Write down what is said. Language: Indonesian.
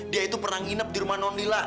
dia itu pernah nginep di rumah nondila